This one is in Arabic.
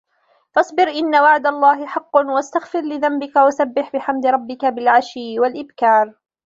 فَاصبِر إِنَّ وَعدَ اللَّهِ حَقٌّ وَاستَغفِر لِذَنبِكَ وَسَبِّح بِحَمدِ رَبِّكَ بِالعَشِيِّ وَالإِبكارِ